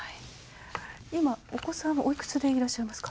今お子さんはおいくつでいらっしゃいますか？